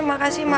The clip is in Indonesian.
ya makasih ma